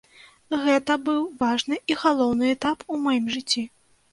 Гэта быў важны і галоўны этап у маім жыцці.